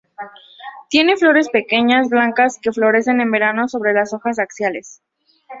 Tiene pequeñas flores blancas que florecen en verano sobre las hojas axiales.